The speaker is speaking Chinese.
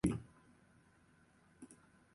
布利耶斯布吕。